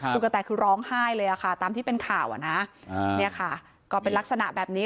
คุณกะแตคือร้องไห้เลยค่ะตามที่เป็นข่าวอ่ะนะเนี่ยค่ะก็เป็นลักษณะแบบนี้